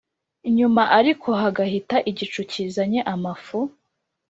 Nyuma ariko hagahita igicu kizanye amafu,